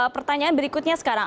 pertanyaan berikutnya sekarang